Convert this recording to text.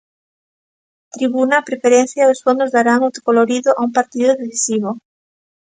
Tribuna, preferencia e os fondos darán o colorido a un partido decisivo.